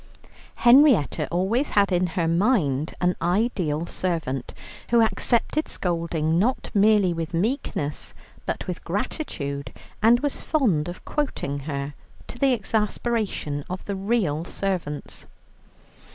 Henrietta always had in her mind an ideal servant, who accepted scolding not merely with meekness but with gratitude, and was fond of quoting her, to the exasperation of the real servants.